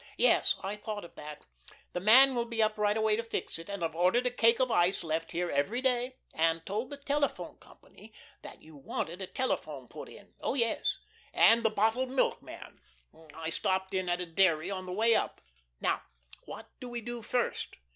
"Yes, I thought of that; the man will be up right away to fix it, and I've ordered a cake of ice left here every day, and told the telephone company that you wanted a telephone put in. Oh, yes, and the bottled milk man I stopped in at a dairy on the way up. Now, what do we do first?"